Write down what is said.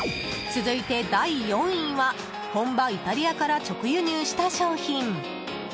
続いて第４位は本場イタリアから直輸入した商品。